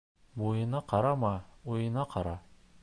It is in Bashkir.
Буйына ҡарама, уйына ҡара.